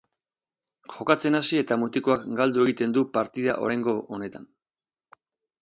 Jokatzen hasi eta mutikoak galdu egiten du partida oraingo honetan.